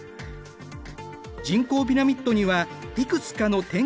人口ピラミッドにはいくつかの典型的な型がある。